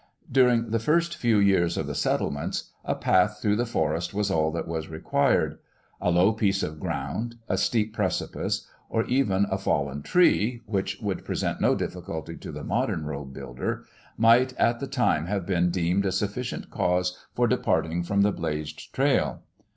During the first few years of the settlements a path through the forest was all that was required. A low piece of ground, a steep precipice, or even a fallen tree, which would present no difficulty to the modern road builder, might at the time have been deemed a sufficient cause for departing from the blazed trail.